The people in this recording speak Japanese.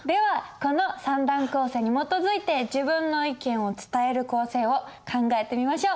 この三段構成に基づいて自分の意見を伝える構成を考えてみましょう。